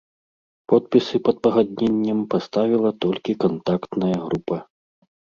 Подпісы пад пагадненнем паставіла толькі кантактная група.